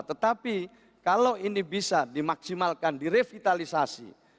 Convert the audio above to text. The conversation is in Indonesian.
tetapi kalau ini bisa dimaksimalkan direvitalisasi